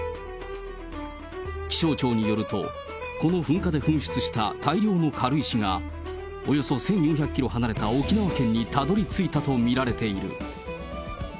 気象庁によると、この噴火で噴出した大量の軽石が、およそ１４００キロ離れた沖縄県にたどりついたと見られている。